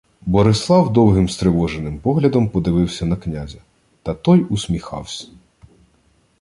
Борислав довгим стривоженим поглядом подивився на князя, та той усміхавсь.